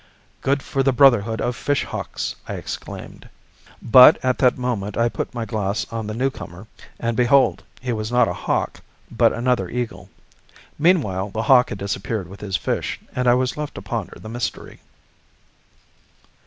"Good for the brotherhood of fish hawks!" I exclaimed. But at that moment I put my glass on the new comer; and behold, he was not a hawk, but another eagle. Meanwhile the hawk had disappeared with his fish, and I was left to ponder the mystery.